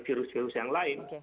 virus virus yang lain